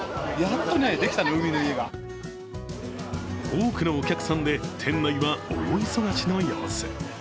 多くのお客さんで店内は大忙しの様子。